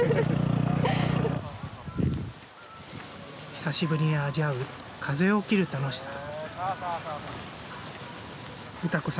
久しぶりに味わう風を切る楽しさ。